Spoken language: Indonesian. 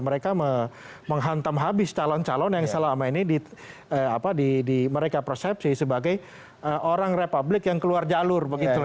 mereka menghantam habis calon calon yang selama ini di apa di di mereka persepsi sebagai orang republik yang keluar jalur begitu